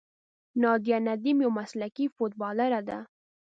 نادیه ندیم یوه مسلکي فوټبالره ده.